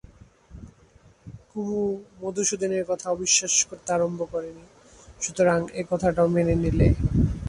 কুমু মধুসূদনের কথা অবিশ্বাস করতে আরম্ভ করে নি, সুতরাং এ কথাটাও মেনে নিলে।